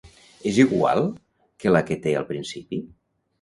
És igual que la que té al principi?